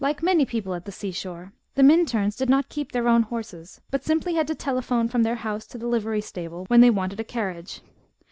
Like many people at the seashore, the Minturns did not keep their own horses, but simply had to telephone from their house to the livery stable when they wanted a carriage.